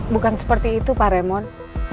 bukan seperti itu pak remon